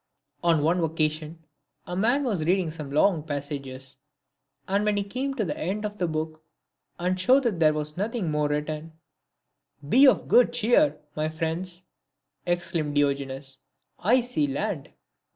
On one occasion a man was reading some long passages, and when he came to the end of the book and showed that there was nothing more written, " Be of good cheer, my friends," exclaimed Diogenes, " I see land."